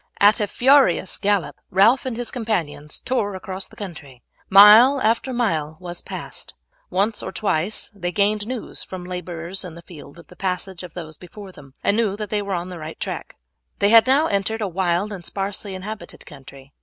At a furious gallop Ralph and his companions tore across the country. Mile after mile was passed. Once or twice they gained news from labourers in the field of the passage of those before them, and knew that they were on the right track. They had now entered a wild and sparsely inhabited country.